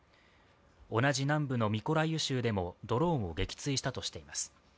同じ南部のミコライウ州でもドローンを撃墜したとしています。